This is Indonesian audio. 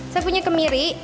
saya punya kemiri